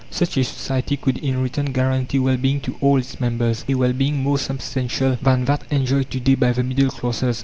Such a society could in return guarantee well being to all its members, a well being more substantial than that enjoyed to day by the middle classes.